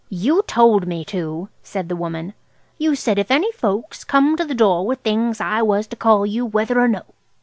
"You told me to," said the woman. "You said if any folks come to the door with things I was to call you, whether or no."